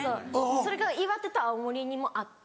それが岩手と青森にもあって。